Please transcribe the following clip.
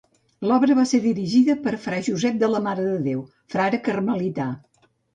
L'obra va ser dirigida per Fra Josep de la Mare de Déu, frare carmelità.